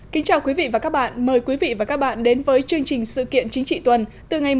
xin chào quý vị và các bạn mời quý vị và các bạn đến với chương trình sự kiện chính trị tuần từ